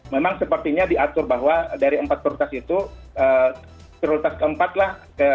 memang sepertinya diatur bahwa dari empat prioritas itu prioritas keempat lah